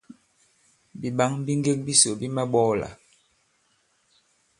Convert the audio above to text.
Bìɓǎŋ bi ŋgek bisò bi maɓɔɔlà.